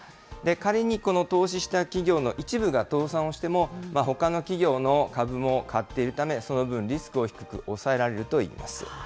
仮にこの投資した企業の一部が倒産をしても、ほかの企業の株も買っているため、その分、リスクを低く抑えられるといいます。